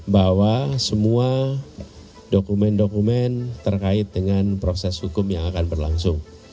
bahwa semua dokumen dokumen terkait dengan proses hukum yang akan berlangsung